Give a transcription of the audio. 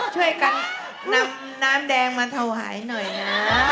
ช่วยกันนำน้ำแดงมาถวายหน่อยนะ